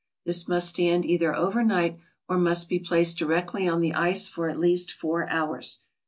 This must stand either over night, or must be placed directly on the ice for at least four hours.